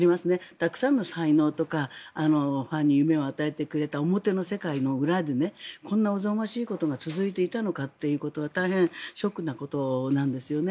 たくさんの才能とかファンに夢を与えてくれた表の世界の裏でこんなおぞましいことが続いていたのかということが大変ショックなことなんですよね。